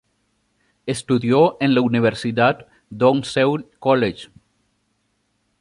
Estudió en la "Universidad Dong Seoul College".